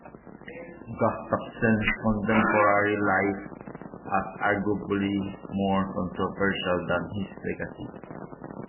Gustavsen's contemporary life as arguably more controversial than his legacy.